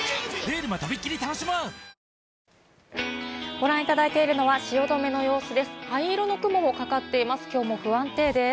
ご覧いただいているのは汐留の様子です。